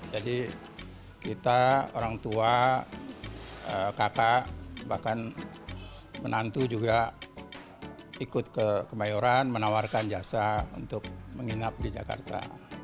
jadi kita orang tua kakak bahkan menantu juga ikut ke kemayoran menawarkan jasa untuk menginap di jakarta